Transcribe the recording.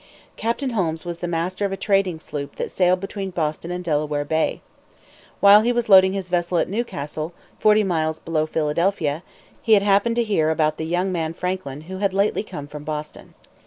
Captain Holmes was the master of a trading sloop that sailed between Boston and Delaware Bay. While he was loading his vessel at Newcastle, forty miles below Philadelphia, he had happened to hear about the young man Franklin who had lately come from Boston.